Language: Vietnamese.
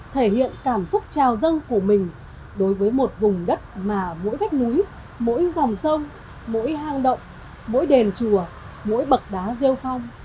thể hiện cảm xúc trào dâng của mình đối với một vùng đất mà mỗi vách núi mỗi dòng sông mỗi hang động mỗi đền chùa mỗi bậc đá rêu phong